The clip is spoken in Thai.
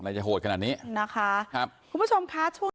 อะไรจะโหดขนาดนี้นะคะครับคุณผู้ชมคะ